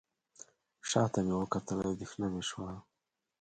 شاته مې وکتل اندېښنه مې شوه.